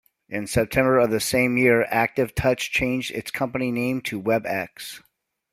In September of the same year, ActiveTouch changed its company name to WebEx.